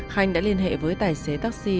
khanh đã liên hệ với tài xế taxi